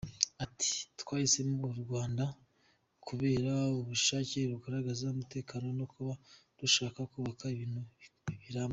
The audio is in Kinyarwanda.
Ati “Twahisemo u Rwanda kubera ubushake rugaragaza, umutekano no kuba rushaka kubaka ibintu biramba.